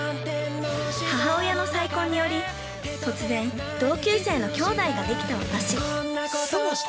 ◆母親の再婚により、突然同級生の兄妹ができた私。